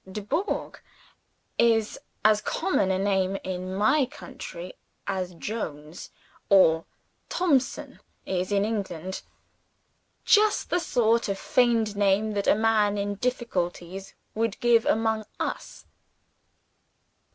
"Dubourg" is as common a name in my country as "Jones" or "Thompson" is in England just the sort of feigned name that a man in difficulties would give among _us.